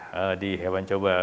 saya diragakan untuk anda